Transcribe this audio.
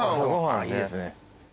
いいですね。